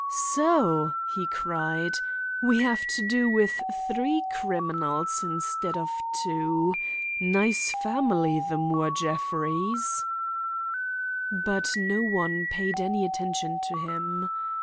"So!" he cried, "we have to do with three criminals instead of two. Nice family, the Moore Jeffreys!" But no one paid any attention to him.